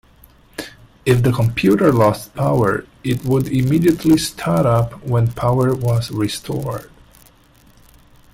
If the computer lost power, it would immediately start up when power was restored.